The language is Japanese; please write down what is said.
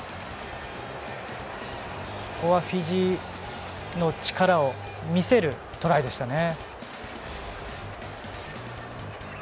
ここはフィジーの力を見せるトライでしたね。